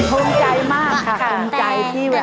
ภูมิใจมากค่ะภูมิใจที่ว่า